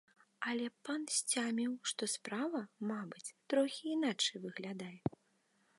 Але пан сцяміў, што справа, мабыць, трохі іначай выглядае.